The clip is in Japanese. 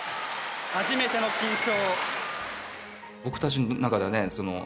初めての金賞。